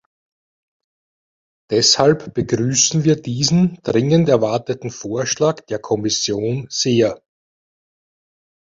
Deshalb begrüßen wir diesen dringend erwarteten Vorschlag der Kommission sehr.